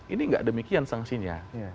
ini nggak demikian sanksinya